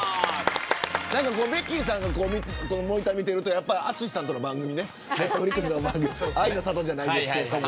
ベッキーさんがモニターを見ていると淳さんとの番組ねあいの里じゃないですけど。